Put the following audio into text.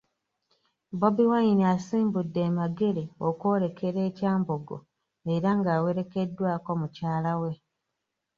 Bobi Wine asimbudde e Magere okwolekera e Kyambogo era ng'awerekeddwako mukyala we,